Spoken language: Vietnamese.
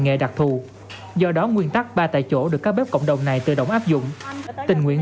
nghệ đặc thù do đó nguyên tắc ba tại chỗ được các bếp cộng đồng này tự động áp dụng tình nguyện